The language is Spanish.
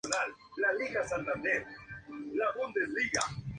El Islam es la religión mayoritaria en Kazajistán, seguida por la Iglesia ortodoxa rusa.